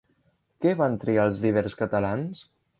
Què van triar els líders catalans?